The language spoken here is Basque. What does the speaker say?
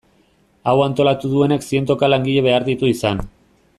Hau antolatu duenak zientoka langile behar ditu izan.